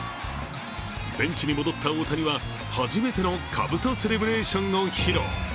ベンチに戻った大谷は初めてのかぶとセレブレーションを披露。